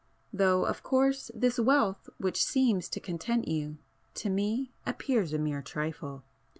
Though of course this wealth which seems to content [p 25] you, to me appears a mere trifle.